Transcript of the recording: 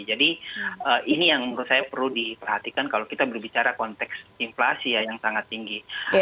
jadi ini yang menurut saya perlu diperhatikan kalau kita berbicara konteks inflasi ya yang sangat tinggi